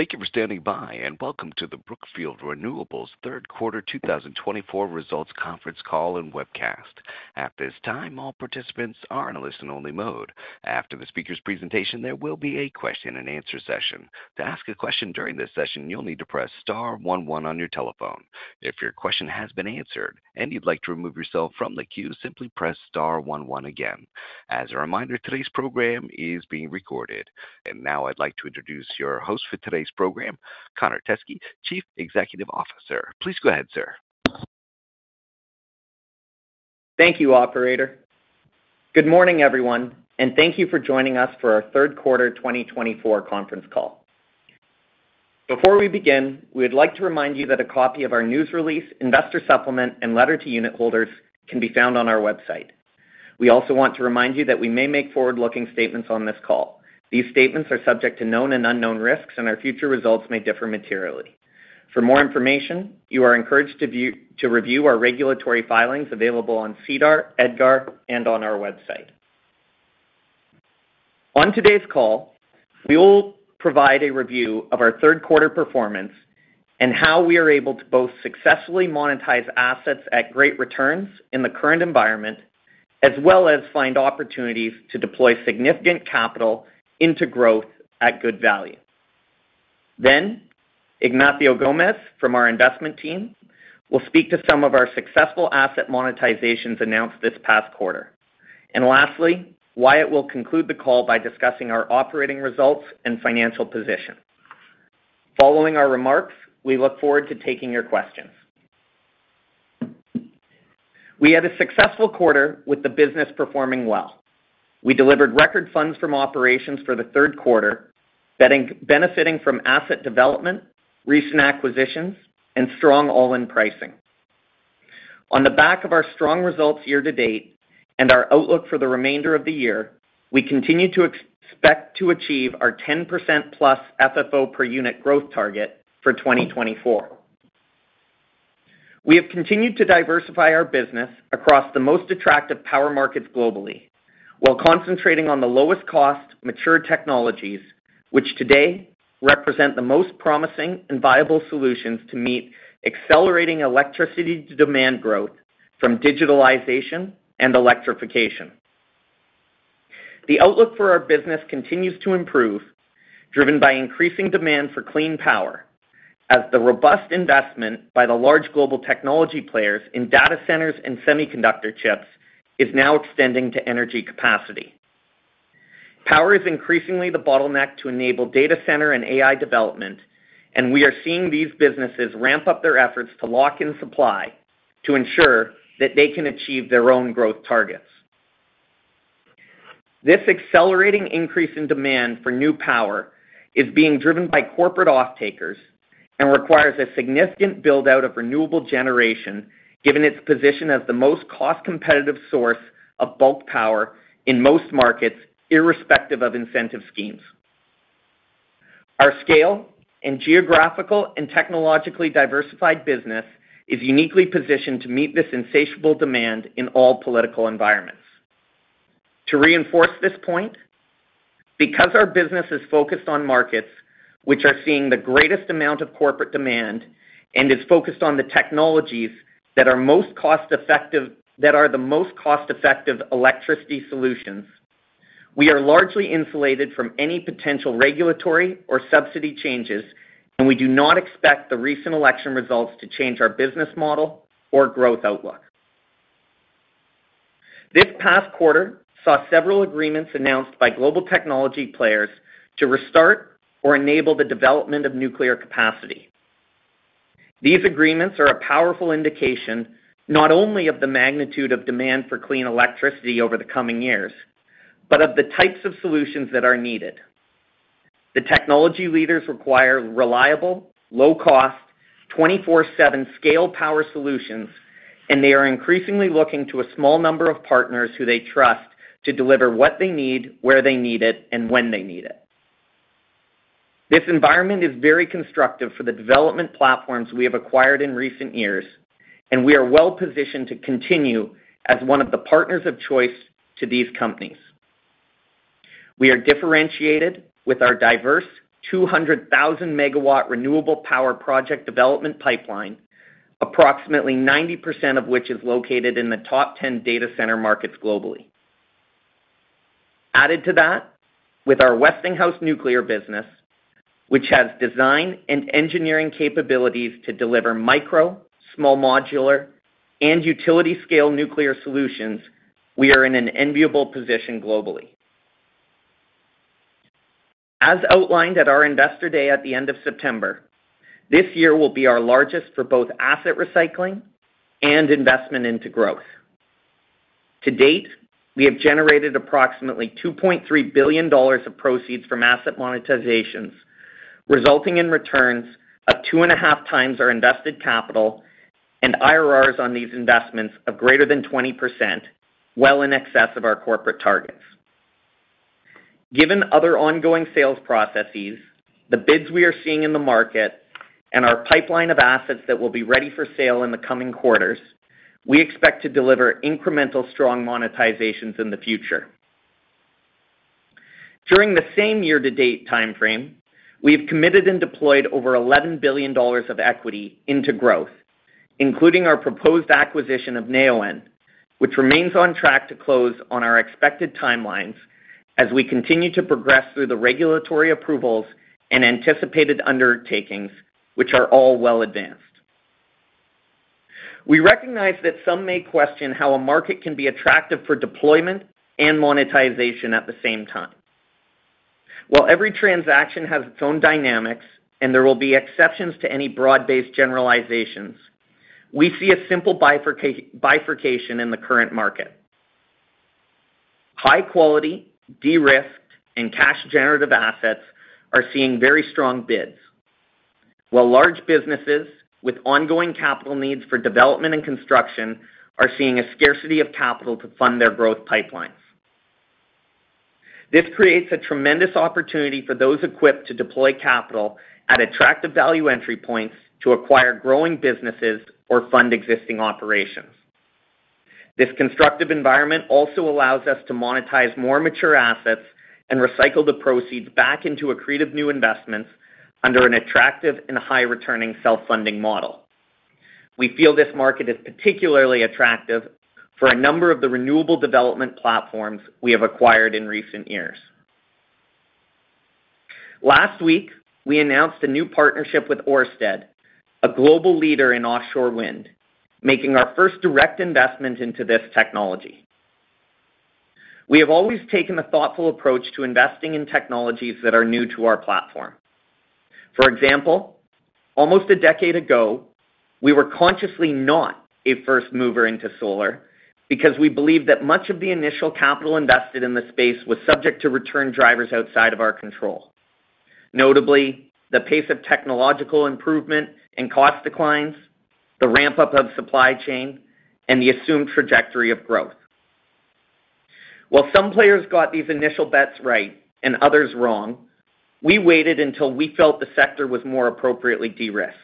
Thank you for standing by, and welcome to the Brookfield Renewable's third quarter 2024 results conference call and webcast. At this time, all participants are in a listen-only mode. After the speaker's presentation, there will be a question-and-answer session. To ask a question during this session, you'll need to press star one one on your telephone. If your question has been answered and you'd like to remove yourself from the queue, simply press star one one again. As a reminder, today's program is being recorded. And now I'd like to introduce your host for today's program, Connor Teskey, Chief Executive Officer. Please go ahead, sir. Thank you, Operator. Good morning, everyone, and thank you for joining us for our third quarter 2024 conference call. Before we begin, we'd like to remind you that a copy of our news release, investor supplement, and letter to unitholders can be found on our website. We also want to remind you that we may make forward-looking statements on this call. These statements are subject to known and unknown risks, and our future results may differ materially. For more information, you are encouraged to review our regulatory filings available on SEDAR, EDGAR, and on our website. On today's call, we will provide a review of our third quarter performance and how we are able to both successfully monetize assets at great returns in the current environment, as well as find opportunities to deploy significant capital into growth at good value. Then, Ignacio Gómez from our investment team will speak to some of our successful asset monetizations announced this past quarter. And lastly, Wyatt will conclude the call by discussing our operating results and financial position. Following our remarks, we look forward to taking your questions. We had a successful quarter with the business performing well. We delivered record funds from operations for the third quarter, benefiting from asset development, recent acquisitions, and strong all-in pricing. On the back of our strong results year to date and our outlook for the remainder of the year, we continue to expect to achieve our 10%+ FFO per unit growth target for 2024. We have continued to diversify our business across the most attractive power markets globally, while concentrating on the lowest cost mature technologies, which today represent the most promising and viable solutions to meet accelerating electricity demand growth from digitalization and electrification. The outlook for our business continues to improve, driven by increasing demand for clean power, as the robust investment by the large global technology players in data centers and semiconductor chips is now extending to energy capacity. Power is increasingly the bottleneck to enable data center and AI development, and we are seeing these businesses ramp up their efforts to lock in supply to ensure that they can achieve their own growth targets. This accelerating increase in demand for new power is being driven by corporate off-takers and requires a significant build-out of renewable generation, given its position as the most cost-competitive source of bulk power in most markets, irrespective of incentive schemes. Our scale and geographical and technologically diversified business is uniquely positioned to meet this insatiable demand in all political environments. To reinforce this point, because our business is focused on markets which are seeing the greatest amount of corporate demand and is focused on the technologies that are most cost-effective, that are the most cost-effective electricity solutions, we are largely insulated from any potential regulatory or subsidy changes, and we do not expect the recent election results to change our business model or growth outlook. This past quarter saw several agreements announced by global technology players to restart or enable the development of nuclear capacity. These agreements are a powerful indication not only of the magnitude of demand for clean electricity over the coming years, but of the types of solutions that are needed. The technology leaders require reliable, low-cost, 24/7 scale power solutions, and they are increasingly looking to a small number of partners who they trust to deliver what they need, where they need it, and when they need it. This environment is very constructive for the development platforms we have acquired in recent years, and we are well positioned to continue as one of the partners of choice to these companies. We are differentiated with our diverse 200,000 MW renewable power project development pipeline, approximately 90% of which is located in the top 10 data center markets globally. Added to that, with our Westinghouse nuclear business, which has design and engineering capabilities to deliver micro, small modular, and utility scale nuclear solutions, we are in an enviable position globally. As outlined at our Investor Day at the end of September, this year will be our largest for both asset recycling and investment into growth. To date, we have generated approximately $2.3 billion of proceeds from asset monetizations, resulting in returns of two and a half times our invested capital and IRRs on these investments of greater than 20%, well in excess of our corporate targets. Given other ongoing sales processes, the bids we are seeing in the market, and our pipeline of assets that will be ready for sale in the coming quarters, we expect to deliver incremental strong monetizations in the future. During the same year-to-date timeframe, we have committed and deployed over $11 billion of equity into growth, including our proposed acquisition of Neoen, which remains on track to close on our expected timelines as we continue to progress through the regulatory approvals and anticipated undertakings, which are all well advanced. We recognize that some may question how a market can be attractive for deployment and monetization at the same time. While every transaction has its own dynamics and there will be exceptions to any broad-based generalizations, we see a simple bifurcation in the current market. High-quality, de-risked, and cash-generative assets are seeing very strong bids, while large businesses with ongoing capital needs for development and construction are seeing a scarcity of capital to fund their growth pipelines. This creates a tremendous opportunity for those equipped to deploy capital at attractive value entry points to acquire growing businesses or fund existing operations. This constructive environment also allows us to monetize more mature assets and recycle the proceeds back into accretive new investments under an attractive and high-returning self-funding model. We feel this market is particularly attractive for a number of the renewable development platforms we have acquired in recent years. Last week, we announced a new partnership with Ørsted, a global leader in offshore wind, making our first direct investment into this technology. We have always taken a thoughtful approach to investing in technologies that are new to our platform. For example, almost a decade ago, we were consciously not a first mover into solar because we believed that much of the initial capital invested in the space was subject to return drivers outside of our control, notably the pace of technological improvement and cost declines, the ramp-up of supply chain, and the assumed trajectory of growth. While some players got these initial bets right and others wrong, we waited until we felt the sector was more appropriately de-risked.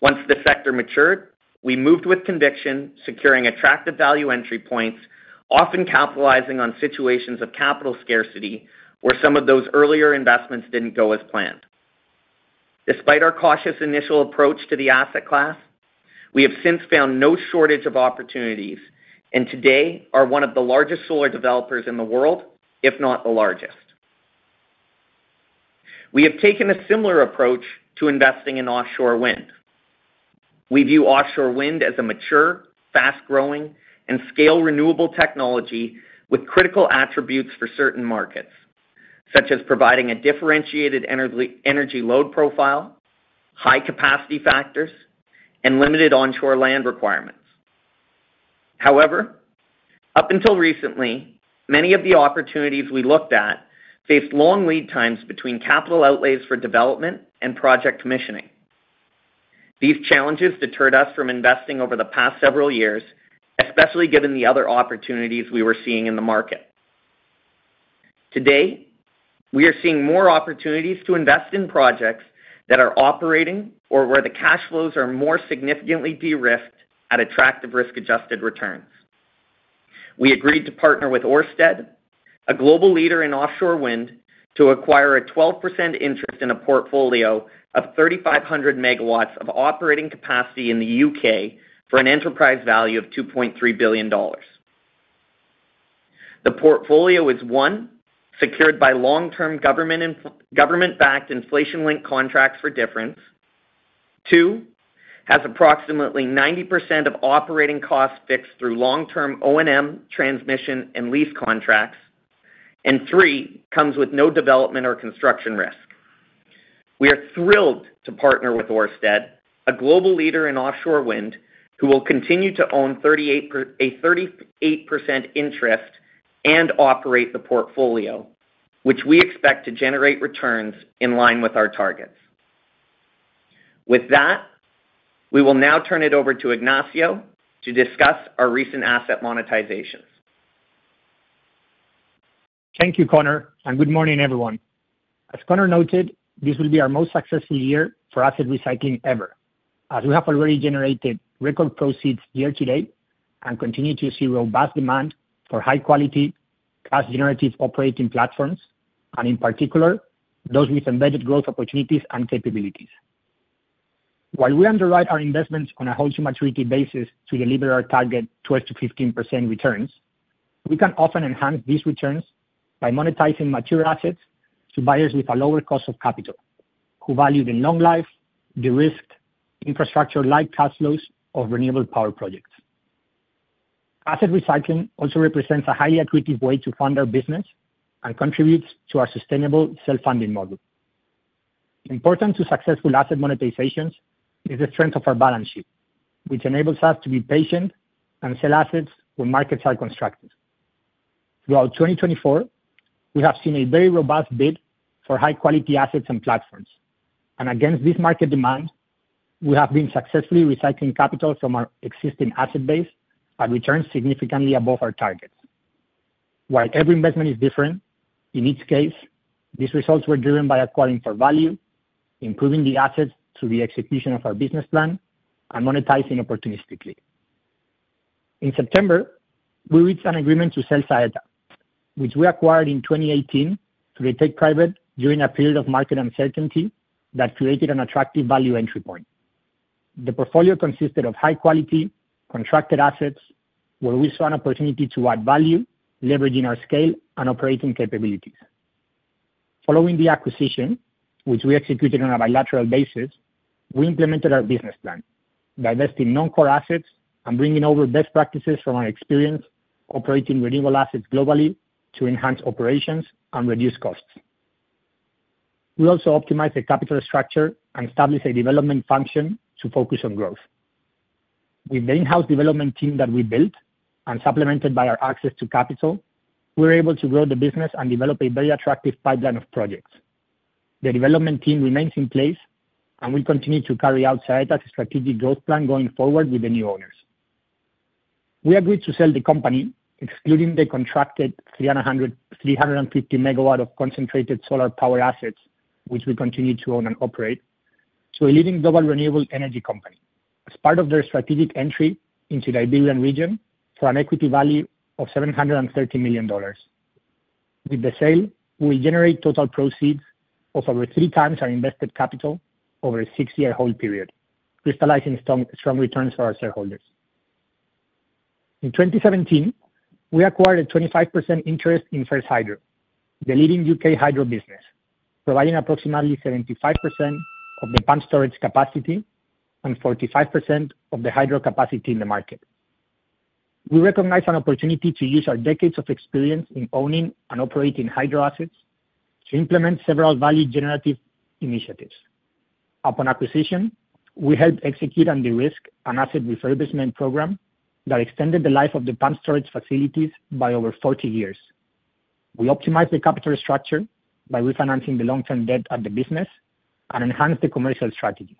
Once the sector matured, we moved with conviction, securing attractive value entry points, often capitalizing on situations of capital scarcity where some of those earlier investments didn't go as planned. Despite our cautious initial approach to the asset class, we have since found no shortage of opportunities and today are one of the largest solar developers in the world, if not the largest. We have taken a similar approach to investing in offshore wind. We view offshore wind as a mature, fast-growing, and scale-renewable technology with critical attributes for certain markets, such as providing a differentiated energy load profile, high capacity factors, and limited onshore land requirements. However, up until recently, many of the opportunities we looked at faced long lead times between capital outlays for development and project commissioning. These challenges deterred us from investing over the past several years, especially given the other opportunities we were seeing in the market. Today, we are seeing more opportunities to invest in projects that are operating or where the cash flows are more significantly de-risked at attractive risk-adjusted returns. We agreed to partner with Ørsted, a global leader in offshore wind, to acquire a 12% interest in a portfolio of 3,500 MW of operating capacity in the U.K. for an enterprise value of $2.3 billion. The portfolio is, one, secured by long-term government-backed inflation-linked Contracts for Difference. Two, has approximately 90% of operating costs fixed through long-term O&M, transmission, and lease contracts. And three, comes with no development or construction risk. We are thrilled to partner with Ørsted, a global leader in offshore wind, who will continue to own a 38% interest and operate the portfolio, which we expect to generate returns in line with our targets. With that, we will now turn it over to Ignacio to discuss our recent asset monetizations. Thank you, Connor, and good morning, everyone. As Connor noted, this will be our most successful year for asset recycling ever, as we have already generated record proceeds year to date and continue to see robust demand for high-quality, cash-generative operating platforms, and in particular, those with embedded growth opportunities and capabilities. While we underwrite our investments on a wholesale maturity basis to deliver our target 12%-15% returns, we can often enhance these returns by monetizing mature assets to buyers with a lower cost of capital, who value the long-life, de-risked, infrastructure-like cash flows of renewable power projects. Asset recycling also represents a highly accretive way to fund our business and contributes to our sustainable self-funding model. Important to successful asset monetizations is the strength of our balance sheet, which enables us to be patient and sell assets when markets are constructive. Throughout 2024, we have seen a very robust bid for high-quality assets and platforms, and against this market demand, we have been successfully recycling capital from our existing asset base at returns significantly above our targets. While every investment is different, in each case, these results were driven by acquiring for value, improving the assets through the execution of our business plan, and monetizing opportunistically. In September, we reached an agreement to sell Saeta, which we acquired in 2018 through a take-private during a period of market uncertainty that created an attractive value entry point. The portfolio consisted of high-quality, contracted assets where we saw an opportunity to add value, leveraging our scale and operating capabilities. Following the acquisition, which we executed on a bilateral basis, we implemented our business plan, divesting non-core assets and bringing over best practices from our experience operating renewable assets globally to enhance operations and reduce costs. We also optimized the capital structure and established a development function to focus on growth. With the in-house development team that we built and supplemented by our access to capital, we were able to grow the business and develop a very attractive pipeline of projects. The development team remains in place and will continue to carry out Saeta's strategic growth plan going forward with the new owners. We agreed to sell the company, excluding the contracted 350 MW of concentrated solar power assets, which we continue to own and operate, to a leading global renewable energy company as part of their strategic entry into the Iberian region for an equity value of $730 million. With the sale, we generate total proceeds of over three times our invested capital over a six-year hold period, crystallizing strong returns for our shareholders. In 2017, we acquired a 25% interest in First Hydro, the leading U.K. hydro business, providing approximately 75% of the pumped storage capacity and 45% of the hydro capacity in the market. We recognized an opportunity to use our decades of experience in owning and operating hydro assets to implement several value-generative initiatives. Upon acquisition, we helped execute and de-risk an asset refurbishment program that extended the life of the pumped storage facilities by over 40 years. We optimized the capital structure by refinancing the long-term debt at the business and enhanced the commercial strategy.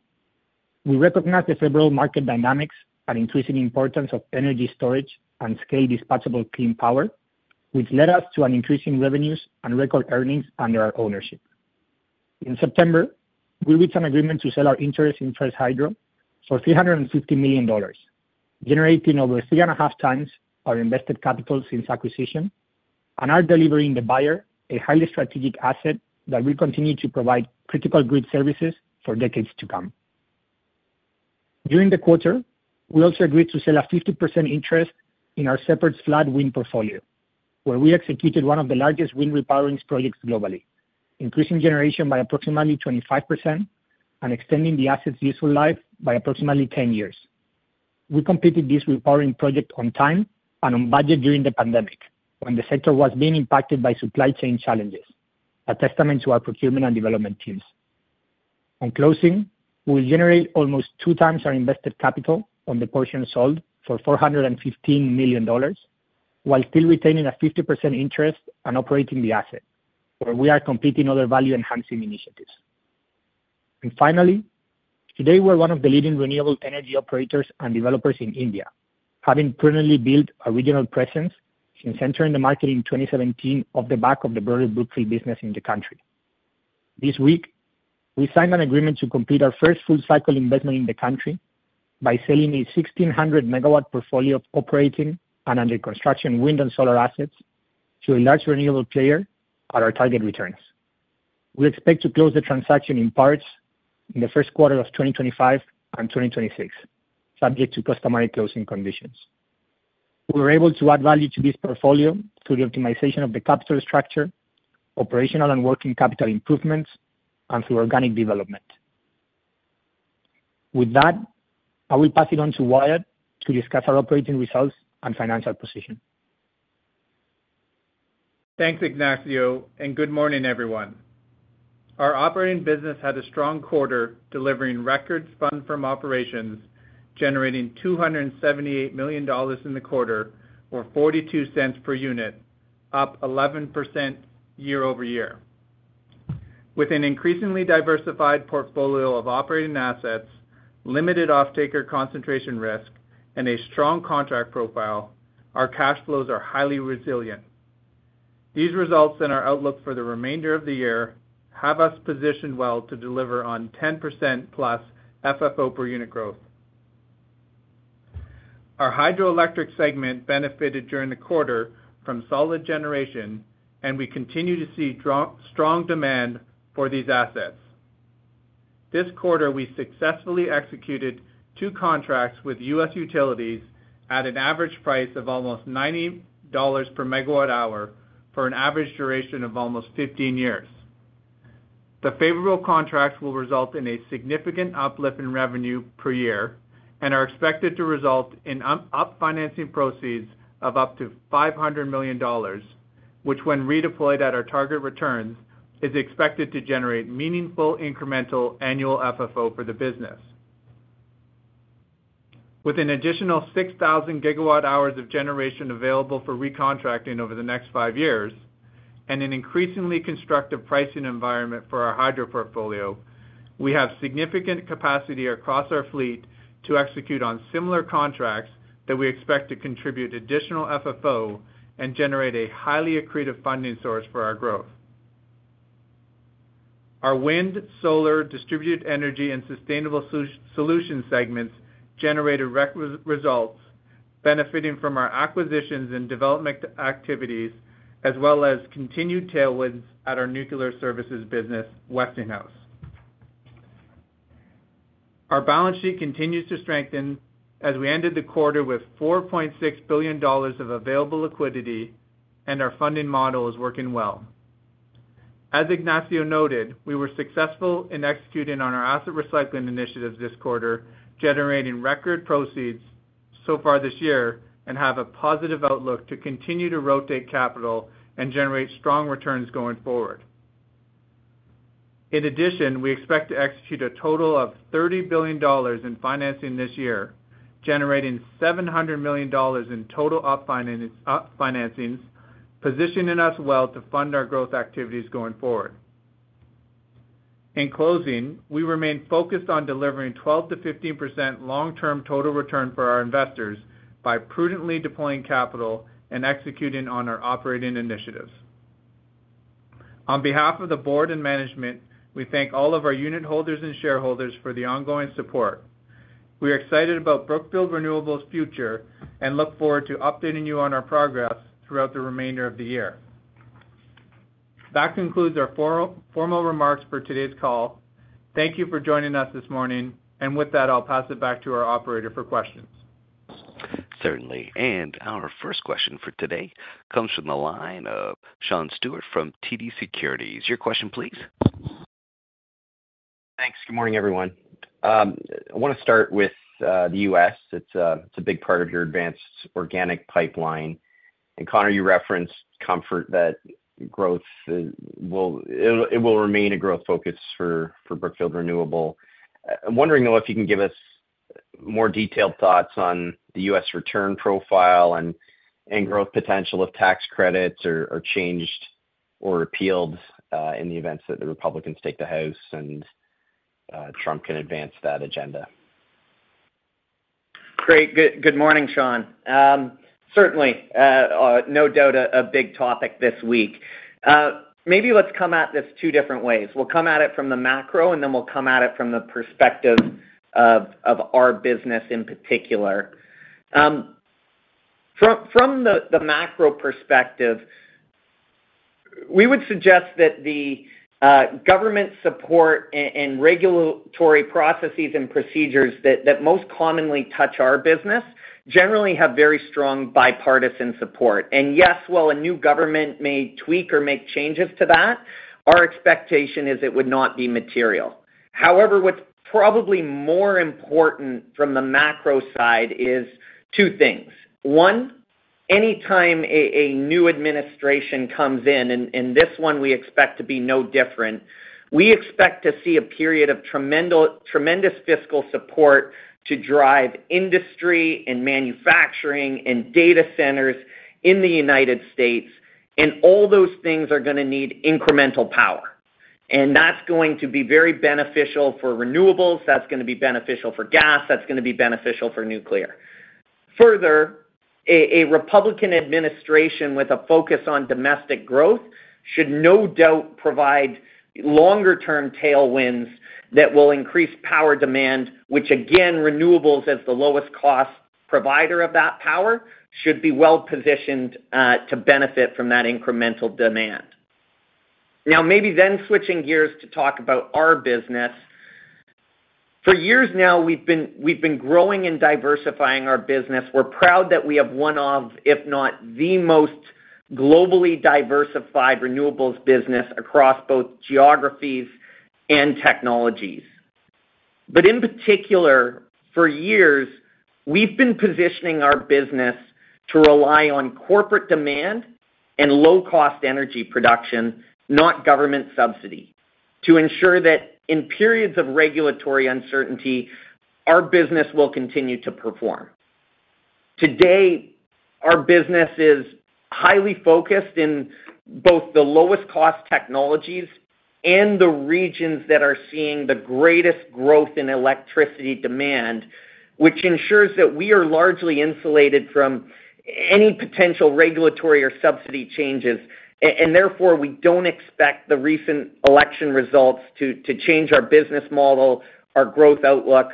We recognized the favorable market dynamics and increasing importance of energy storage and scale-dispatchable clean power, which led us to increasing revenues and record earnings under our ownership. In September, we reached an agreement to sell our interest in First Hydro for $350 million, generating over three and a half times our invested capital since acquisition and are delivering the buyer a highly strategic asset that will continue to provide critical grid services for decades to come. During the quarter, we also agreed to sell a 50% interest in our Shepherds Flat wind portfolio, where we executed one of the largest wind repowering projects globally, increasing generation by approximately 25% and extending the asset's useful life by approximately 10 years. We completed this repowering project on time and on budget during the pandemic, when the sector was being impacted by supply chain challenges, a testament to our procurement and development teams. In closing, we will generate almost two times our invested capital on the portion sold for $415 million, while still retaining a 50% interest and operating the asset, where we are completing other value-enhancing initiatives, and finally, today, we're one of the leading renewable energy operators and developers in India, having permanently built a regional presence since entering the market in 2017 off the back of the broader Brookfield business in the country. This week, we signed an agreement to complete our first full-cycle investment in the country by selling a 1,600-MW portfolio of operating and under construction wind and solar assets to a large renewable player at our target returns. We expect to close the transaction in parts in the first quarter of 2025 and 2026, subject to customary closing conditions. We were able to add value to this portfolio through the optimization of the capital structure, operational and working capital improvements, and through organic development. With that, I will pass it on to Wyatt to discuss our operating results and financial position. Thanks, Ignacio, and good morning, everyone. Our operating business had a strong quarter, delivering record funds from operations, generating $278 million in the quarter, or $0.42 per unit, up 11% year over year. With an increasingly diversified portfolio of operating assets, limited off-taker concentration risk, and a strong contract profile, our cash flows are highly resilient. These results and our outlook for the remainder of the year have us positioned well to deliver on 10%+ FFO per unit growth. Our hydroelectric segment benefited during the quarter from solid generation, and we continue to see strong demand for these assets. This quarter, we successfully executed two contracts with U.S. utilities at an average price of almost $90 per MWh for an average duration of almost 15 years. The favorable contracts will result in a significant uplift in revenue per year and are expected to result in up-financing proceeds of up to $500 million, which, when redeployed at our target returns, is expected to generate meaningful incremental annual FFO for the business. With an additional 6,000 GWh of generation available for recontracting over the next five years and an increasingly constructive pricing environment for our hydro portfolio, we have significant capacity across our fleet to execute on similar contracts that we expect to contribute additional FFO and generate a highly accretive funding source for our growth. Our wind, solar, distributed energy, and sustainable solution segments generated record results, benefiting from our acquisitions and development activities, as well as continued tailwinds at our nuclear services business, Westinghouse. Our balance sheet continues to strengthen as we ended the quarter with $4.6 billion of available liquidity, and our funding model is working well. As Ignacio noted, we were successful in executing on our asset recycling initiatives this quarter, generating record proceeds so far this year, and have a positive outlook to continue to rotate capital and generate strong returns going forward. In addition, we expect to execute a total of $30 billion in financing this year, generating $700 million in total up-financings, positioning us well to fund our growth activities going forward. In closing, we remain focused on delivering 12%-15% long-term total return for our investors by prudently deploying capital and executing on our operating initiatives. On behalf of the board and management, we thank all of our unitholders and shareholders for the ongoing support. We are excited about Brookfield Renewable's future and look forward to updating you on our progress throughout the remainder of the year. That concludes our formal remarks for today's call. Thank you for joining us this morning, and with that, I'll pass it back to our operator for questions. Certainly. And our first question for today comes from the line of Sean Steuart from TD Securities. Your question, please? Thanks. Good morning, everyone. I want to start with the U.S. It's a big part of your advanced organic pipeline, and Connor, you referenced that it will remain a growth focus for Brookfield Renewable. I'm wondering, though, if you can give us more detailed thoughts on the U.S. return profile and growth potential if tax credits are changed or repealed in the event that the Republicans take the House and Trump can advance that agenda. Great. Good morning, Sean. Certainly, no doubt, a big topic this week. Maybe let's come at this two different ways. We'll come at it from the macro, and then we'll come at it from the perspective of our business in particular. From the macro perspective, we would suggest that the government support and regulatory processes and procedures that most commonly touch our business generally have very strong bipartisan support. And yes, while a new government may tweak or make changes to that, our expectation is it would not be material. However, what's probably more important from the macro side is two things. One, anytime a new administration comes in, and this one we expect to be no different, we expect to see a period of tremendous fiscal support to drive industry and manufacturing and data centers in the United States, and all those things are going to need incremental power. And that's going to be very beneficial for renewables. That's going to be beneficial for gas. That's going to be beneficial for nuclear. Further, a Republican administration with a focus on domestic growth should no doubt provide longer-term tailwinds that will increase power demand, which, again, renewables as the lowest-cost provider of that power should be well-positioned to benefit from that incremental demand. Now, maybe then switching gears to talk about our business. For years now, we've been growing and diversifying our business. We're proud that we have one of, if not the most globally diversified renewables business across both geographies and technologies. But in particular, for years, we've been positioning our business to rely on corporate demand and low-cost energy production, not government subsidy, to ensure that in periods of regulatory uncertainty, our business will continue to perform. Today, our business is highly focused in both the lowest-cost technologies and the regions that are seeing the greatest growth in electricity demand, which ensures that we are largely insulated from any potential regulatory or subsidy changes. And therefore, we don't expect the recent election results to change our business model, our growth outlook,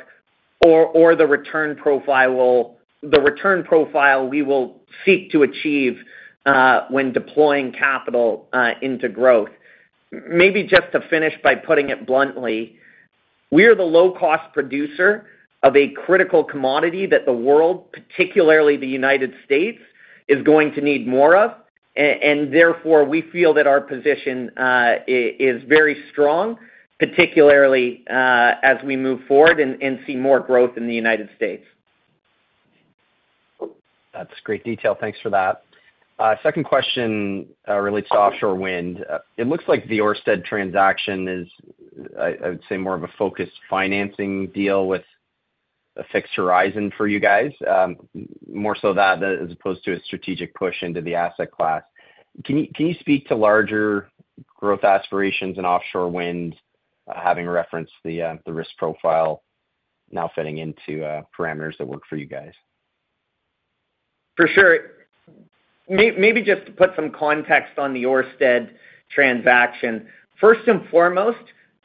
or the return profile we will seek to achieve when deploying capital into growth. Maybe just to finish by putting it bluntly, we are the low-cost producer of a critical commodity that the world, particularly the United States, is going to need more of. And therefore, we feel that our position is very strong, particularly as we move forward and see more growth in the United States. That's great detail. Thanks for that. Second question relates to offshore wind. It looks like the Ørsted transaction is, I would say, more of a focused financing deal with a fixed horizon for you guys, more so that as opposed to a strategic push into the asset class. Can you speak to larger growth aspirations in offshore wind, having referenced the risk profile now fitting into parameters that work for you guys? For sure. Maybe just to put some context on the Ørsted transaction, first and foremost,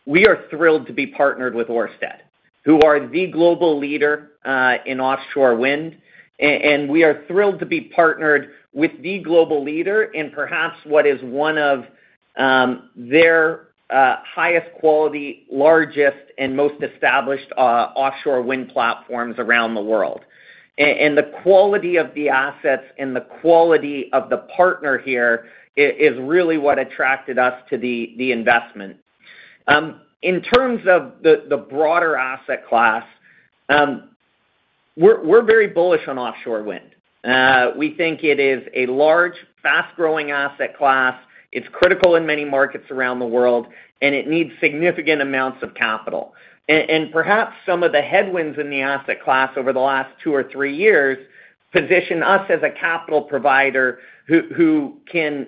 we are thrilled to be partnered with Ørsted, who are the global leader in offshore wind. And we are thrilled to be partnered with the global leader in perhaps what is one of their highest-quality, largest, and most established offshore wind platforms around the world. And the quality of the assets and the quality of the partner here is really what attracted us to the investment. In terms of the broader asset class, we're very bullish on offshore wind. We think it is a large, fast-growing asset class. It's critical in many markets around the world, and it needs significant amounts of capital. And perhaps some of the headwinds in the asset class over the last two or three years position us as a capital provider who can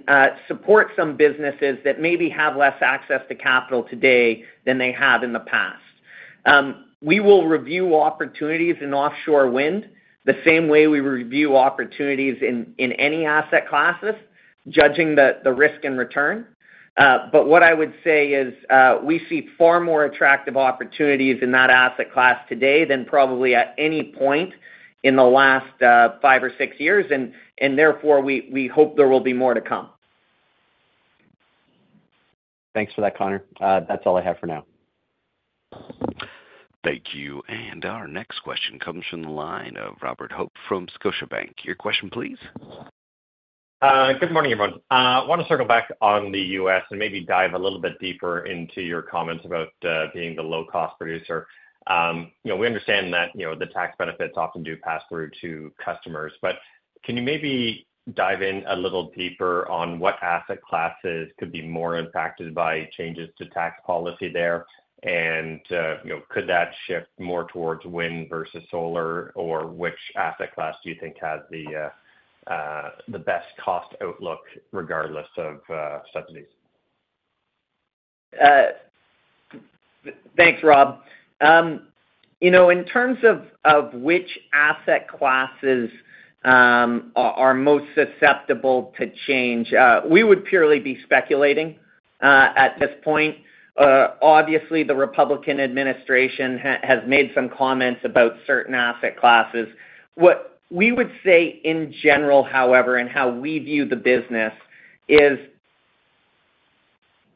support some businesses that maybe have less access to capital today than they had in the past. We will review opportunities in offshore wind the same way we review opportunities in any asset classes, judging the risk and return. But what I would say is we see far more attractive opportunities in that asset class today than probably at any point in the last five or six years. And therefore, we hope there will be more to come. Thanks for that, Connor. That's all I have for now. Thank you. And our next question comes from the line of Robert Hope from Scotiabank. Your question, please. Good morning, everyone. I want to circle back on the U.S. and maybe dive a little bit deeper into your comments about being the low-cost producer. We understand that the tax benefits often do pass through to customers. But can you maybe dive in a little deeper on what asset classes could be more impacted by changes to tax policy there? And could that shift more towards wind versus solar, or which asset class do you think has the best cost outlook regardless of subsidies? Thanks, Rob. In terms of which asset classes are most susceptible to change, we would purely be speculating at this point. Obviously, the Republican administration has made some comments about certain asset classes. What we would say in general, however, and how we view the business is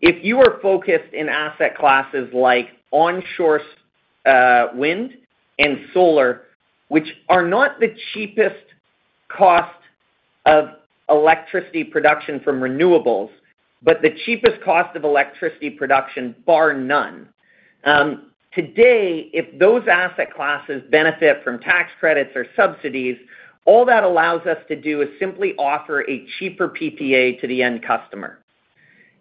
if you are focused in asset classes like onshore wind and solar, which are not the cheapest cost of electricity production from renewables, but the cheapest cost of electricity production, bar none. Today, if those asset classes benefit from tax credits or subsidies, all that allows us to do is simply offer a cheaper PPA to the end customer.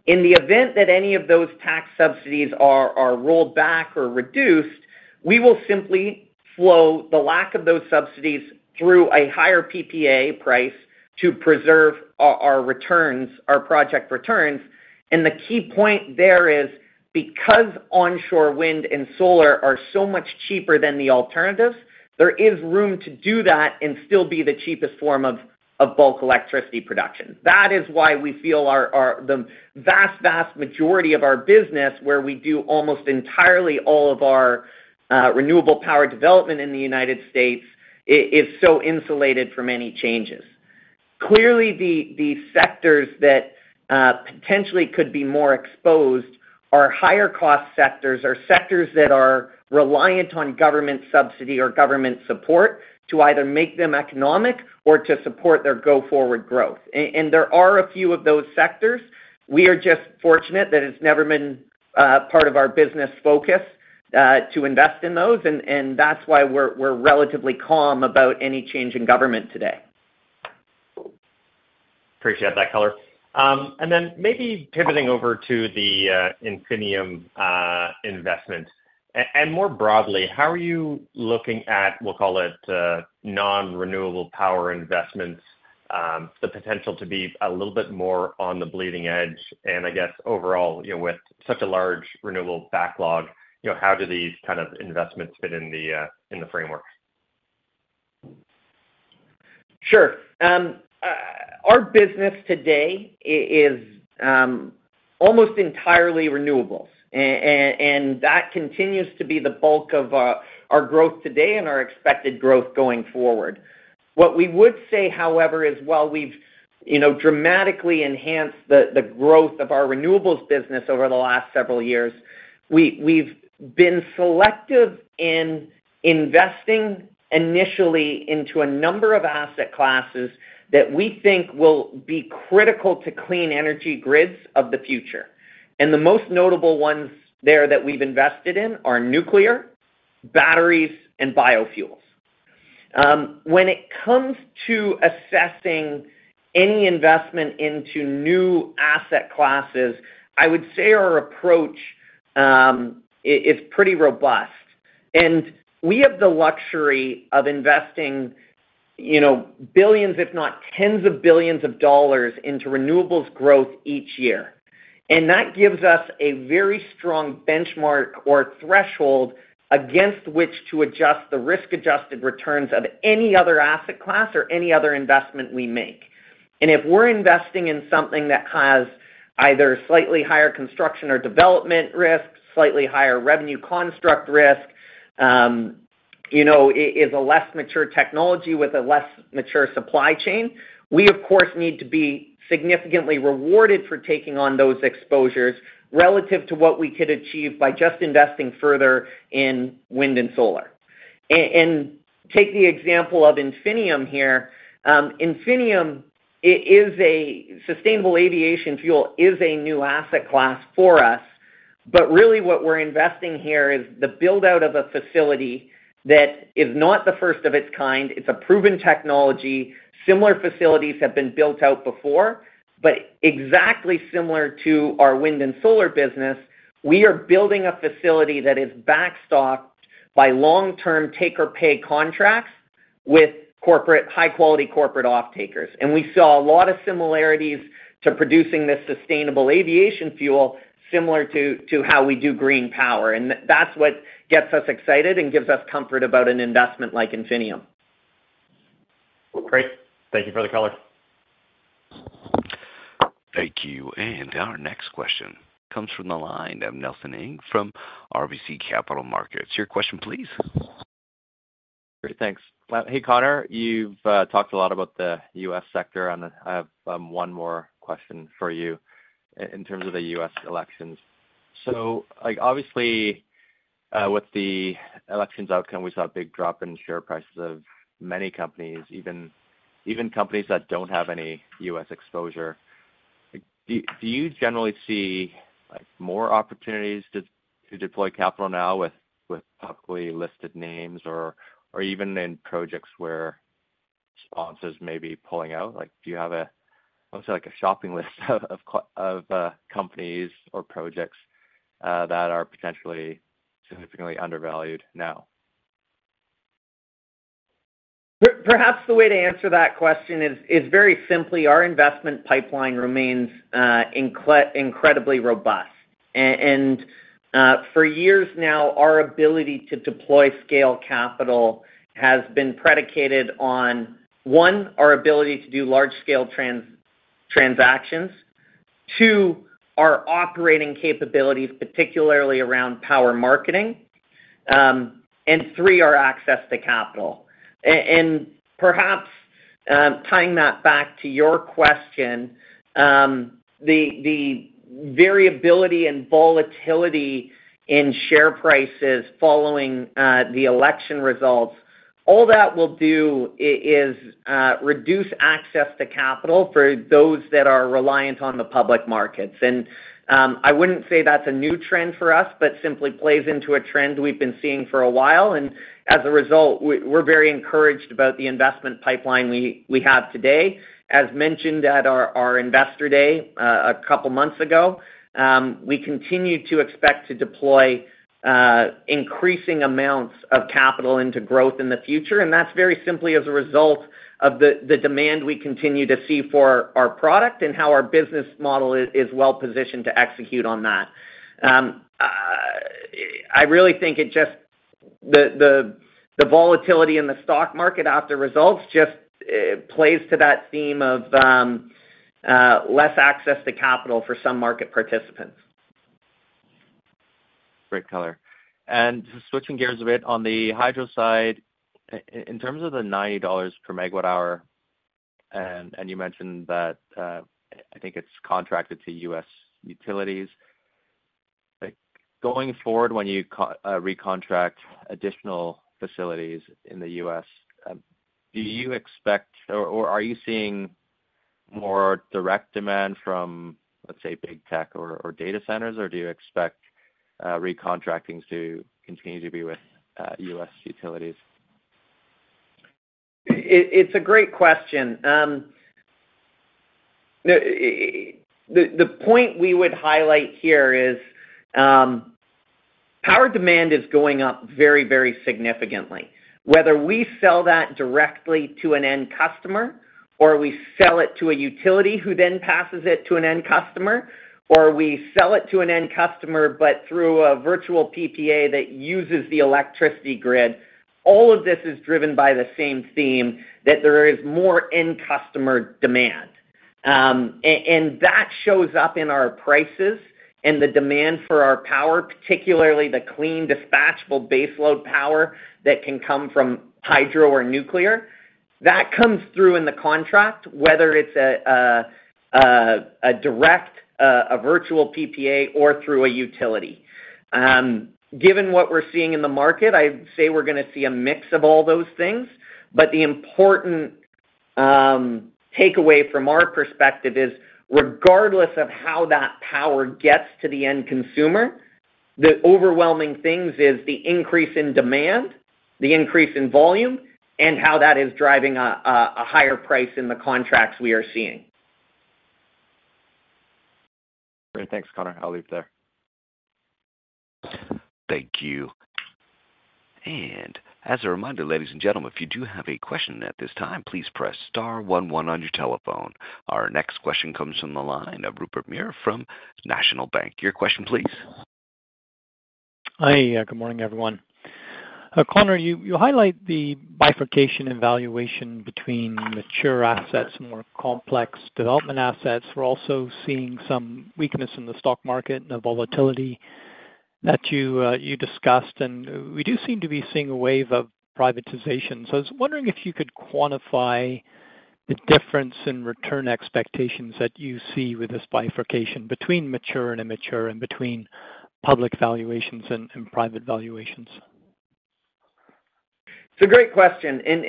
In the event that any of those tax subsidies are rolled back or reduced, we will simply flow the lack of those subsidies through a higher PPA price to preserve our project returns. The key point there is because onshore wind and solar are so much cheaper than the alternatives, there is room to do that and still be the cheapest form of bulk electricity production. That is why we feel the vast, vast majority of our business, where we do almost entirely all of our renewable power development in the United States, is so insulated from any changes. Clearly, the sectors that potentially could be more exposed are higher-cost sectors, are sectors that are reliant on government subsidy or government support to either make them economic or to support their go-forward growth. There are a few of those sectors. We are just fortunate that it's never been part of our business focus to invest in those. That's why we're relatively calm about any change in government today. Appreciate that, Connor. And then maybe pivoting over to the Infinium investment. And more broadly, how are you looking at, we'll call it, non-renewable power investments, the potential to be a little bit more on the bleeding edge? And I guess overall, with such a large renewable backlog, how do these kind of investments fit in the framework? Sure. Our business today is almost entirely renewables, and that continues to be the bulk of our growth today and our expected growth going forward. What we would say, however, is while we've dramatically enhanced the growth of our renewables business over the last several years, we've been selective in investing initially into a number of asset classes that we think will be critical to clean energy grids of the future, and the most notable ones there that we've invested in are nuclear, batteries, and biofuels. When it comes to assessing any investment into new asset classes, I would say our approach is pretty robust, and we have the luxury of investing billions, if not tens of billions of dollars into renewables growth each year. That gives us a very strong benchmark or threshold against which to adjust the risk-adjusted returns of any other asset class or any other investment we make. If we're investing in something that has either slightly higher construction or development risk, slightly higher revenue construct risk, is a less mature technology with a less mature supply chain, we, of course, need to be significantly rewarded for taking on those exposures relative to what we could achieve by just investing further in wind and solar. Take the example of Infinium here. Infinium, sustainable aviation fuel is a new asset class for us. But really, what we're investing here is the build-out of a facility that is not the first of its kind. It's a proven technology. Similar facilities have been built out before, but exactly similar to our wind and solar business, we are building a facility that is backed by long-term take-or-pay contracts with high-quality corporate off-takers, and we saw a lot of similarities to producing this sustainable aviation fuel similar to how we do green power, and that's what gets us excited and gives us comfort about an investment like Infinium. Great. Thank you for the color. Thank you. And our next question comes from the line of Nelson Ng from RBC Capital Markets. Your question, please. Great. Thanks. Hey, Connor. You've talked a lot about the U.S. sector. I have one more question for you in terms of the U.S. elections. So obviously, with the election's outcome, we saw a big drop in share prices of many companies, even companies that don't have any U.S. exposure. Do you generally see more opportunities to deploy capital now with publicly listed names or even in projects where sponsors may be pulling out? Do you have a, I would say, a shopping list of companies or projects that are potentially significantly undervalued now? Perhaps the way to answer that question is very simply our investment pipeline remains incredibly robust, and for years now, our ability to deploy scale capital has been predicated on, one, our ability to do large-scale transactions, two, our operating capabilities, particularly around power marketing, and three, our access to capital, and perhaps tying that back to your question, the variability and volatility in share prices following the election results, all that will do is reduce access to capital for those that are reliant on the public markets, and I wouldn't say that's a new trend for us, but simply plays into a trend we've been seeing for a while, and as a result, we're very encouraged about the investment pipeline we have today. As mentioned at our investor day a couple of months ago, we continue to expect to deploy increasing amounts of capital into growth in the future. That's very simply as a result of the demand we continue to see for our product and how our business model is well-positioned to execute on that. I really think the volatility in the stock market after results just plays to that theme of less access to capital for some market participants. Great, Connor, and switching gears a bit on the hydro side, in terms of the $90 per MWh, and you mentioned that I think it's contracted to U.S. utilities, going forward when you recontract additional facilities in the U.S., do you expect or are you seeing more direct demand from, let's say, big tech or data centers, or do you expect recontracting to continue to be with U.S. utilities? It's a great question. The point we would highlight here is power demand is going up very, very significantly. Whether we sell that directly to an end customer, or we sell it to a utility who then passes it to an end customer, or we sell it to an end customer but through a virtual PPA that uses the electricity grid, all of this is driven by the same theme that there is more end customer demand, and that shows up in our prices and the demand for our power, particularly the clean dispatchable baseload power that can come from hydro or nuclear. That comes through in the contract, whether it's a direct, a virtual PPA, or through a utility. Given what we're seeing in the market, I'd say we're going to see a mix of all those things. But the important takeaway from our perspective is regardless of how that power gets to the end consumer, the overwhelming things is the increase in demand, the increase in volume, and how that is driving a higher price in the contracts we are seeing. Great. Thanks, Connor. I'll leave it there. Thank you. And as a reminder, ladies and gentlemen, if you do have a question at this time, please press star one one on your telephone. Our next question comes from the line of Rupert Merer from National Bank. Your question, please. Hi. Good morning, everyone. Connor, you highlight the bifurcation evaluation between mature assets and more complex development assets. We're also seeing some weakness in the stock market and the volatility that you discussed. And we do seem to be seeing a wave of privatization. So I was wondering if you could quantify the difference in return expectations that you see with this bifurcation between mature and immature and between public valuations and private valuations. It's a great question, and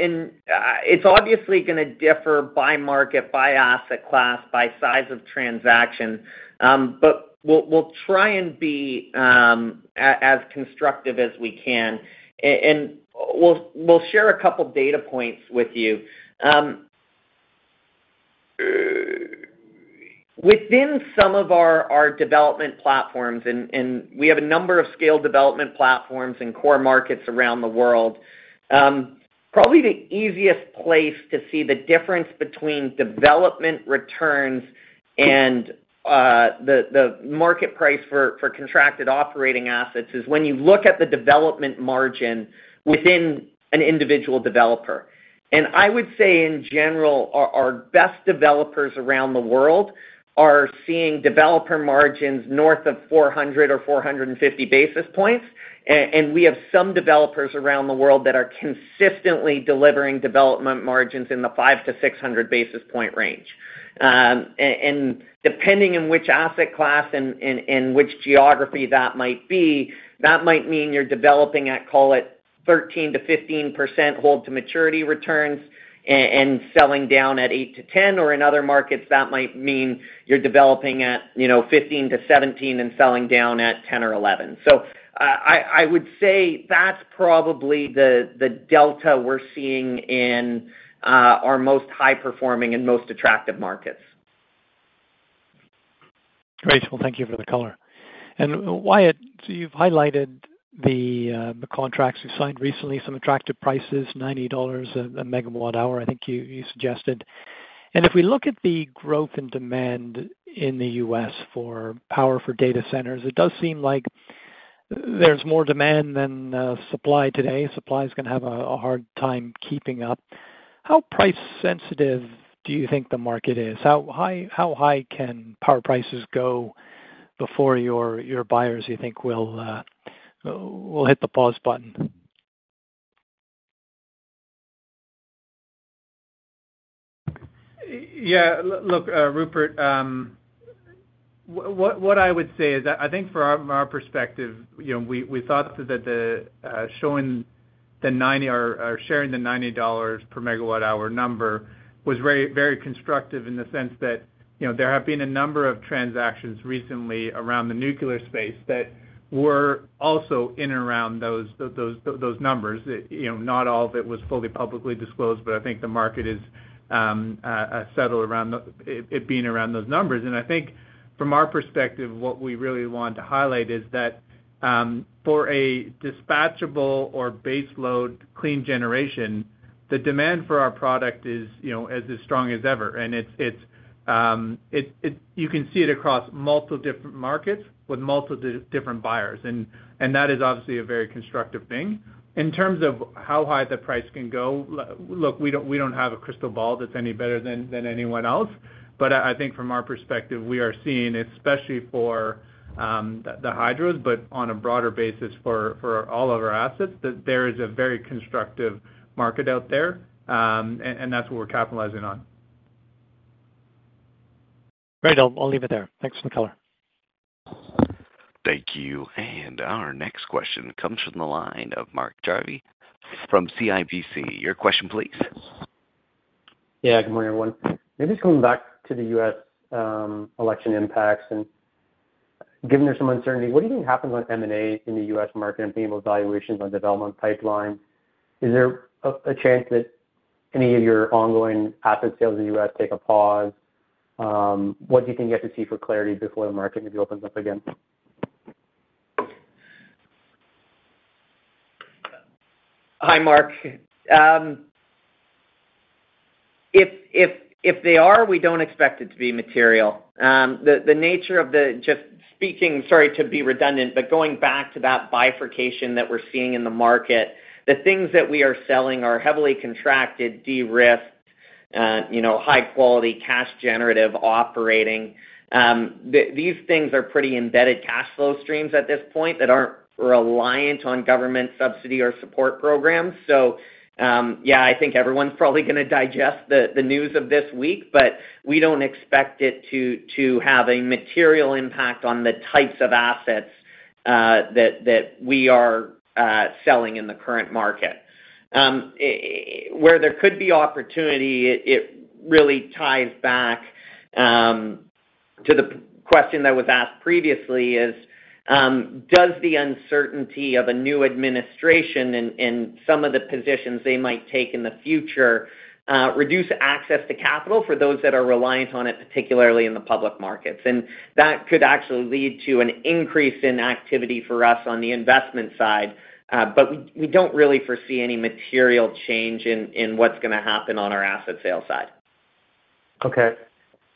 it's obviously going to differ by market, by asset class, by size of transaction, but we'll try and be as constructive as we can, and we'll share a couple of data points with you. Within some of our development platforms, and we have a number of scale development platforms and core markets around the world, probably the easiest place to see the difference between development returns and the market price for contracted operating assets is when you look at the development margin within an individual developer, and I would say, in general, our best developers around the world are seeing developer margins north of 400 basis points or 450 basis points, and we have some developers around the world that are consistently delivering development margins in the five to 600 basis point range. And depending on which asset class and which geography that might be, that might mean you're developing at, call it, 13%-15% hold-to-maturity returns and selling down at 8%-10%. Or in other markets, that might mean you're developing at 15%-17% and selling down at 10% or 11%. So I would say that's probably the delta we're seeing in our most high-performing and most attractive markets. Great. Well, thank you for the color, and Wyatt, you've highlighted the contracts you've signed recently, some attractive prices, $90 a MWh, I think you suggested, and if we look at the growth in demand in the U.S. for power for data centers, it does seem like there's more demand than supply today. Supply is going to have a hard time keeping up. How price-sensitive do you think the market is? How high can power prices go before your buyers, you think, will hit the pause button? Yeah. Look, Rupert, what I would say is that I think from our perspective, we thought that showing the 90 or sharing the $90 per MWh number was very constructive in the sense that there have been a number of transactions recently around the nuclear space that were also in and around those numbers. Not all of it was fully publicly disclosed, but I think the market is settled around it being around those numbers. And I think from our perspective, what we really want to highlight is that for a dispatchable or baseload clean generation, the demand for our product is as strong as ever. And you can see it across multiple different markets with multiple different buyers. And that is obviously a very constructive thing. In terms of how high the price can go, look, we don't have a crystal ball that's any better than anyone else. But I think from our perspective, we are seeing, especially for the hydros, but on a broader basis for all of our assets, that there is a very constructive market out there. And that's what we're capitalizing on. Great. I'll leave it there. Thanks for the color. Thank you. And our next question comes from the line of Mark Jarvi from CIBC. Your question, please. Yeah. Good morning, everyone. Maybe just going back to the U.S. election impacts and given there's some uncertainty, what do you think happens with M&A in the U.S. market and payment evaluations on development pipeline? Is there a chance that any of your ongoing asset sales in the U.S. take a pause? What do you think you have to see for clarity before the market maybe opens up again? Hi, Mark. If they are, we don't expect it to be material. The nature of the assets we're just speaking of, sorry to be redundant, but going back to that bifurcation that we're seeing in the market, the things that we are selling are heavily contracted, de-risked, high-quality cash-generative operating. These things are pretty embedded cash flow streams at this point that aren't reliant on government subsidy or support programs. So yeah, I think everyone's probably going to digest the news of this week, but we don't expect it to have a material impact on the types of assets that we are selling in the current market. Where there could be opportunity, it really ties back to the question that was asked previously is, does the uncertainty of a new administration and some of the positions they might take in the future reduce access to capital for those that are reliant on it, particularly in the public markets? And that could actually lead to an increase in activity for us on the investment side. But we don't really foresee any material change in what's going to happen on our asset sale side. Okay.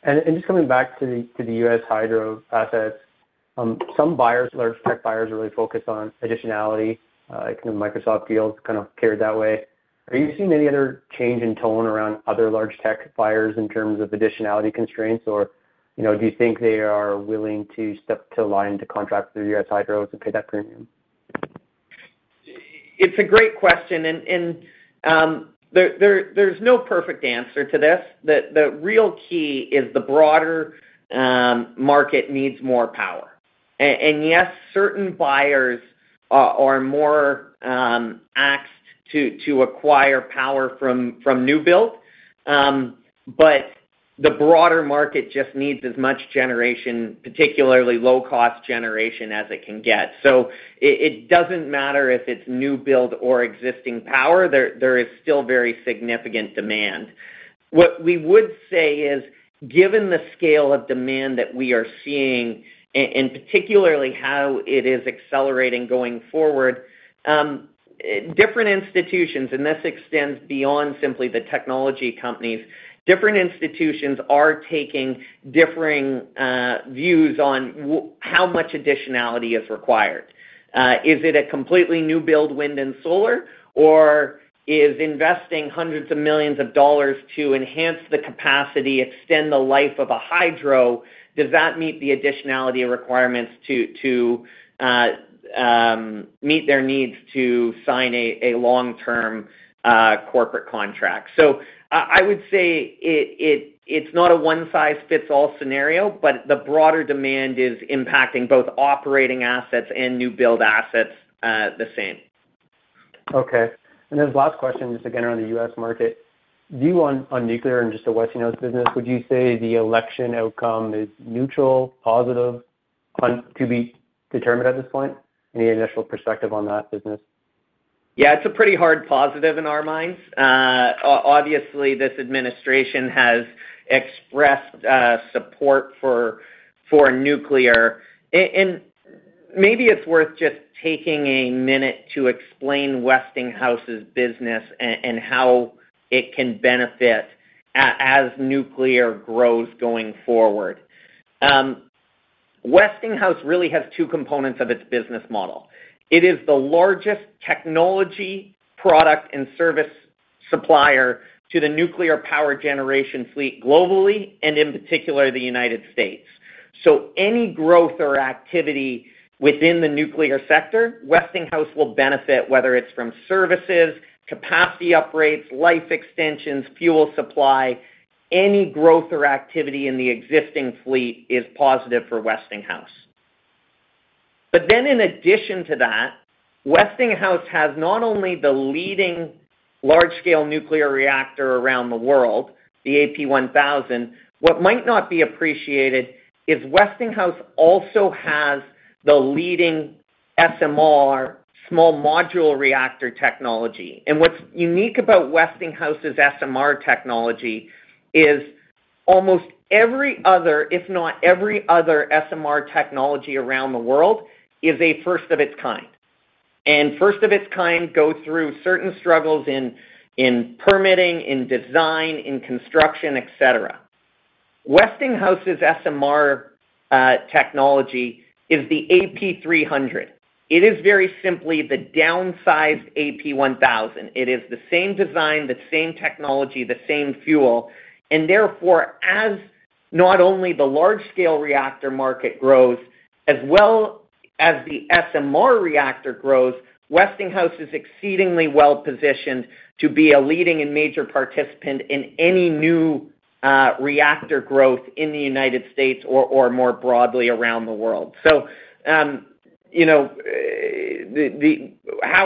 And just coming back to the U.S. hydro assets, some large tech buyers are really focused on additionality. Microsoft has kind of carried that way. Are you seeing any other change in tone around other large tech buyers in terms of additionality constraints, or do you think they are willing to toe the line to contract through U.S. hydros and pay that premium? It's a great question, and there's no perfect answer to this. The real key is the broader market needs more power. And yes, certain buyers are more anxious to acquire power from new build, but the broader market just needs as much generation, particularly low-cost generation, as it can get, so it doesn't matter if it's new build or existing power. There is still very significant demand. What we would say is, given the scale of demand that we are seeing, and particularly how it is accelerating going forward, different institutions (and this extends beyond simply the technology companies), different institutions are taking differing views on how much additionality is required. Is it a completely new build wind and solar, or is investing hundreds of millions of dollars to enhance the capacity, extend the life of a hydro? Does that meet the additionality requirements to meet their needs to sign a long-term corporate contract? So I would say it's not a one-size-fits-all scenario, but the broader demand is impacting both operating assets and new build assets the same. Okay, and then the last question, just again around the U.S. market. View on nuclear and just the Westinghouse business, would you say the election outcome is neutral, positive to be determined at this point? Any initial perspective on that business? Yeah. It's a pretty hard positive in our minds. Obviously, this administration has expressed support for nuclear. And maybe it's worth just taking a minute to explain Westinghouse's business and how it can benefit as nuclear grows going forward. Westinghouse really has two components of its business model. It is the largest technology product and service supplier to the nuclear power generation fleet globally and, in particular, the United States. So any growth or activity within the nuclear sector, Westinghouse will benefit, whether it's from services, capacity upgrades, life extensions, fuel supply. Any growth or activity in the existing fleet is positive for Westinghouse. But then in addition to that, Westinghouse has not only the leading large-scale nuclear reactor around the world, the AP1000. What might not be appreciated is Westinghouse also has the leading SMR, small modular reactor technology. What's unique about Westinghouse's SMR technology is almost every other, if not every other SMR technology around the world, is a first of its kind. First of its kind go through certain struggles in permitting, in design, in construction, etc. Westinghouse's SMR technology is the AP300. It is very simply the downsized AP1000. It is the same design, the same technology, the same fuel. Therefore, as not only the large-scale reactor market grows, as well as the SMR reactor grows, Westinghouse is exceedingly well positioned to be a leading and major participant in any new reactor growth in the United States or more broadly around the world. How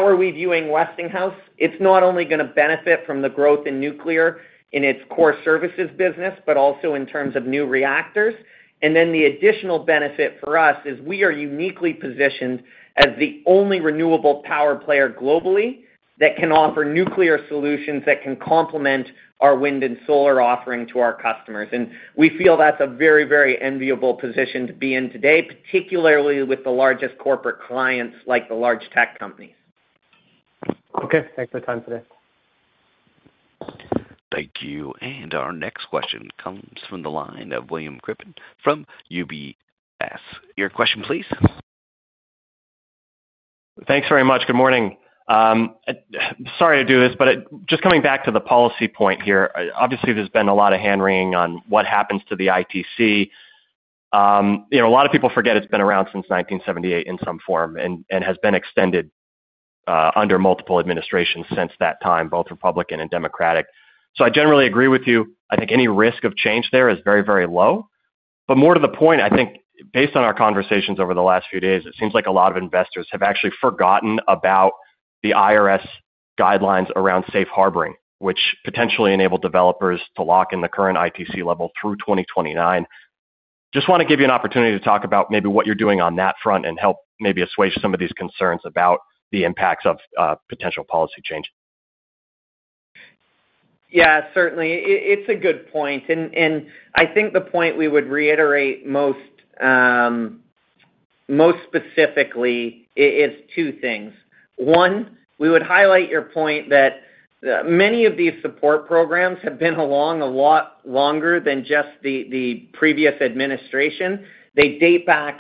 are we viewing Westinghouse? It's not only going to benefit from the growth in nuclear in its core services business, but also in terms of new reactors. Then the additional benefit for us is we are uniquely positioned as the only renewable power player globally that can offer nuclear solutions that can complement our wind and solar offering to our customers. We feel that's a very, very enviable position to be in today, particularly with the largest corporate clients like the large tech companies. Okay. Thanks for your time today. Thank you. And our next question comes from the line of William Grippin from UBS. Your question, please. Thanks very much. Good morning. Sorry to do this, but just coming back to the policy point here, obviously, there's been a lot of hand-wringing on what happens to the ITC. A lot of people forget it's been around since 1978 in some form and has been extended under multiple administrations since that time, both Republican and Democratic. So I generally agree with you. I think any risk of change there is very, very low. But more to the point, I think based on our conversations over the last few days, it seems like a lot of investors have actually forgotten about the IRS guidelines around safe harboring, which potentially enabled developers to lock in the current ITC level through 2029. Just want to give you an opportunity to talk about maybe what you're doing on that front and help maybe assuage some of these concerns about the impacts of potential policy change. Yeah. Certainly. It's a good point. And I think the point we would reiterate most specifically is two things. One, we would highlight your point that many of these support programs have been around a lot longer than just the previous administration. They date back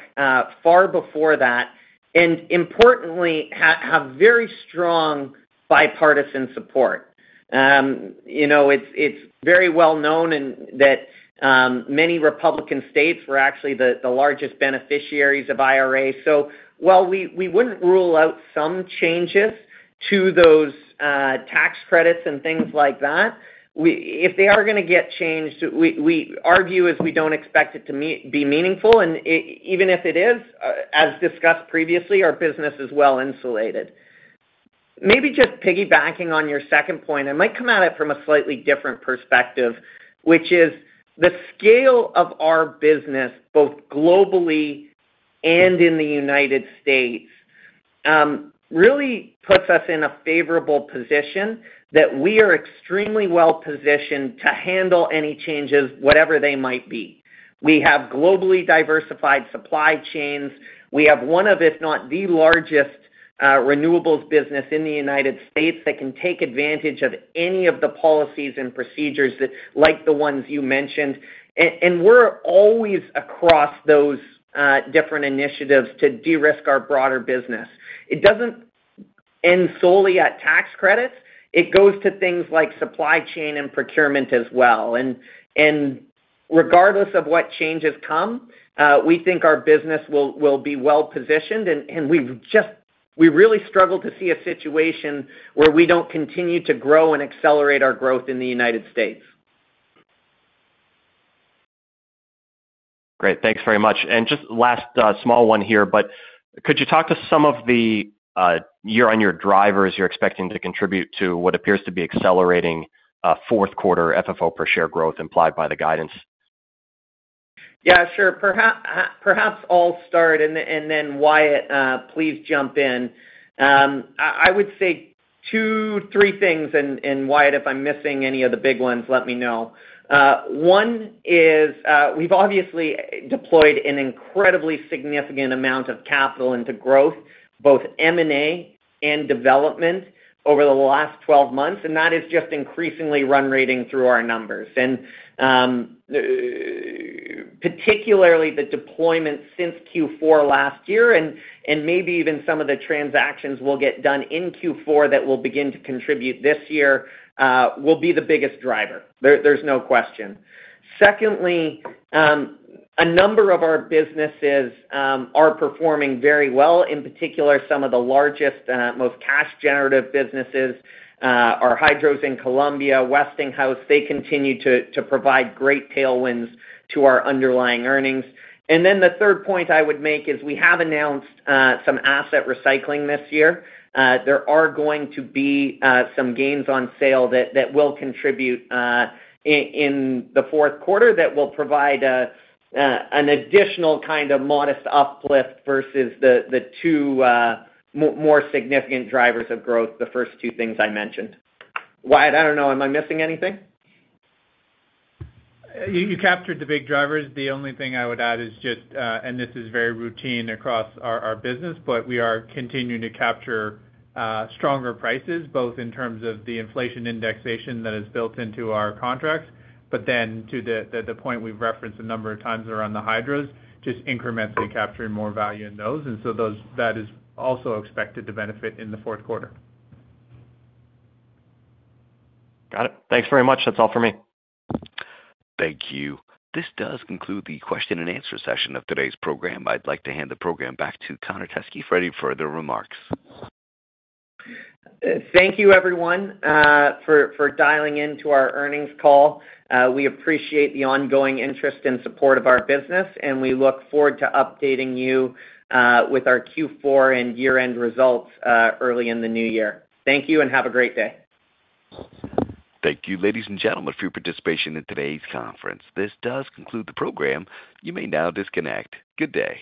far before that and, importantly, have very strong bipartisan support. It's very well known that many Republican states were actually the largest beneficiaries of IRA. So while we wouldn't rule out some changes to those tax credits and things like that, if they are going to get changed, our view is we don't expect it to be meaningful. And even if it is, as discussed previously, our business is well insulated. Maybe just piggybacking on your second point, I might come at it from a slightly different perspective, which is the scale of our business, both globally and in the United States, really puts us in a favorable position that we are extremely well positioned to handle any changes, whatever they might be. We have globally diversified supply chains. We have one of, if not the largest renewables business in the United States that can take advantage of any of the policies and procedures like the ones you mentioned. And we're always across those different initiatives to de-risk our broader business. It doesn't end solely at tax credits. It goes to things like supply chain and procurement as well. And regardless of what changes come, we think our business will be well positioned. We really struggle to see a situation where we don't continue to grow and accelerate our growth in the United States. Great. Thanks very much. And just last small one here, but could you talk to some of the year-on-year drivers you're expecting to contribute to what appears to be accelerating fourth quarter FFO per share growth implied by the guidance? Yeah. Sure. Perhaps I'll start, and then Wyatt, please jump in. I would say two, three things. And Wyatt, if I'm missing any of the big ones, let me know. One is we've obviously deployed an incredibly significant amount of capital into growth, both M&A and development over the last 12 months. And that is just increasingly run-rating through our numbers. And particularly the deployment since Q4 last year and maybe even some of the transactions we'll get done in Q4 that will begin to contribute this year will be the biggest driver. There's no question. Secondly, a number of our businesses are performing very well. In particular, some of the largest, most cash-generative businesses are hydros in Colombia, Westinghouse. They continue to provide great tailwinds to our underlying earnings. And then the third point I would make is we have announced some asset recycling this year. There are going to be some gains on sale that will contribute in the fourth quarter that will provide an additional kind of modest uplift versus the two more significant drivers of growth, the first two things I mentioned. Wyatt, I don't know. Am I missing anything? You captured the big drivers. The only thing I would add is just, and this is very routine across our business, but we are continuing to capture stronger prices, both in terms of the inflation indexation that is built into our contracts, but then to the point we've referenced a number of times around the hydros, just incrementally capturing more value in those. And so that is also expected to benefit in the fourth quarter. Got it. Thanks very much. That's all for me. Thank you. This does conclude the question and answer session of today's program. I'd like to hand the program back to Connor Teskey for any further remarks. Thank you, everyone, for dialing into our earnings call. We appreciate the ongoing interest and support of our business, and we look forward to updating you with our Q4 and year-end results early in the new year. Thank you and have a great day. Thank you, ladies and gentlemen, for your participation in today's conference. This does conclude the program. You may now disconnect. Good day.